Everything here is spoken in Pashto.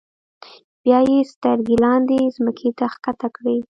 بیا یې سترګې لاندې ځمکې ته ښکته کړې.